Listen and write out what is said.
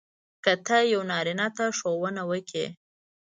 که ته یو نارینه ته ښوونه وکړې.